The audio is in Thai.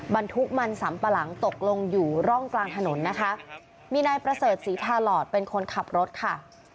บรรทุกมันสำปะหลังตกลงอยู่ร่องกลางถนนนะคะมีนายประเสริฐศรีทาหลอดเป็นคนขับรถค่ะ